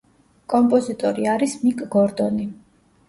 კომპოზიტორი არის მიკ გორდონი.